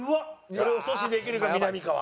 それを阻止できるかみなみかわ。